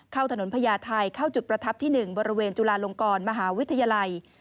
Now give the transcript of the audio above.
เข้าถนนพญาไทยเข้าจุดประทับที่๑บริเวณจุฬาลงกรมหาวิทยาลัย